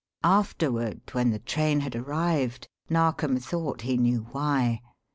Afterward, when the train had arrived, Narkom thought he knew why.